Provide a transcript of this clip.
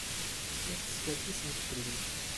La teskerkisemt fell-i.